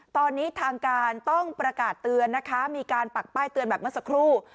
ตอนนี้ทางการต้องประกาศเตือนนะคะมีการปักป้ายเตือนแบบเมื่อสักครู่